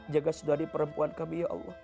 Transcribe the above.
jaga saudari perempuan kami